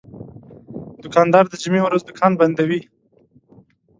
دوکاندار د جمعې ورځ دوکان بندوي.